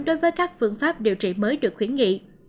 đối với các phương pháp điều trị mới được khuyến nghị